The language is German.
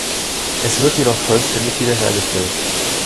Es wird jedoch vollständig wiederhergestellt.